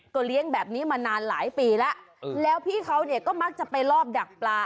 เลี้ยงแบบนี้มานานหลายปีแล้วแล้วพี่เขาเนี่ยก็มักจะไปรอบดักปลา